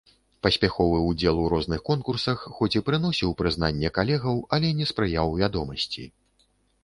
Паспяховы ўдзел у розных конкурсах хоць і прыносіў прызнанне калегаў, але не спрыяў вядомасці.